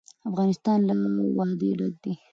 افغانستان له وادي ډک دی.